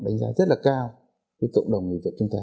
từ nhật bản là sang đức